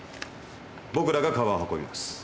僕らが鞄を運びます。